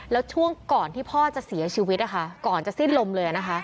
แล้วช่วงก่อนที่พ่อจะเสียชีวิตก่อนจะสิ้นลมเลยนะคะ